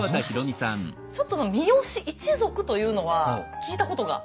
ちょっと三好一族というのは聞いたことがあって。